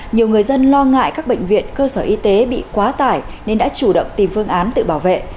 nhiều người dân lo ngại các bệnh viện cơ sở y tế bị quá tải nên đã chủ động tìm phương án tự bảo vệ